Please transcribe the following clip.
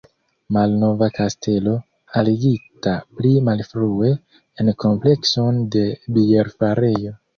Malnova kastelo, aligita pli malfrue en komplekson de bierfarejo.